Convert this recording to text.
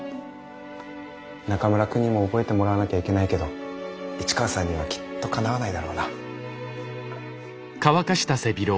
中村くんにも覚えてもらわなきゃいけないけど市川さんにはきっとかなわないだろうな。